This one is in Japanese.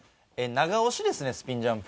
長押しですねスピンジャンプ。